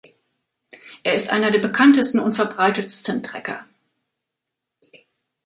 Er ist einer der bekanntesten und verbreitetsten Tracker.